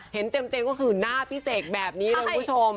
เห็นเต็มก็คือหน้าพี่เสกแบบนี้เลยคุณผู้ชม